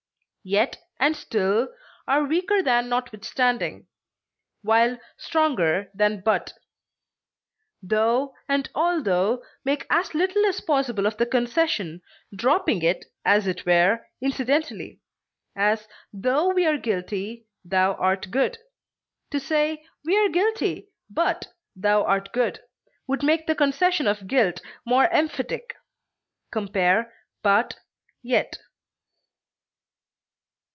Yet and still are weaker than notwithstanding, while stronger than but. Tho and altho make as little as possible of the concession, dropping it, as it were, incidentally; as, "tho we are guilty, thou art good;" to say "we are guilty, but thou art good," would make the concession of guilt more emphatic. Compare BUT; YET.